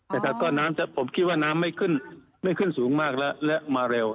แต่ถ้าก็น้ำผมคิดว่าน้ำไม่ขึ้นสูงมากและมาเร็ว